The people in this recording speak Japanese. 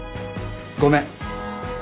ごめん。